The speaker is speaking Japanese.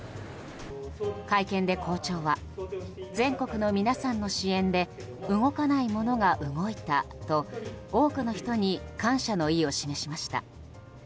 会見で校長は全国の皆さんの支援で動かないものが動いたと多くの人に感謝の意を示しました。